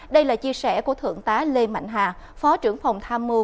đây là chia sẻ của thượng tá lê mạnh hà phó trưởng phòng tham mưu